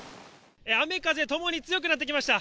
雨風ともに強くなってきました。